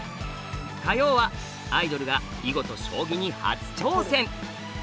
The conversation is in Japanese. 火曜はアイドルが囲碁と将棋に初挑戦！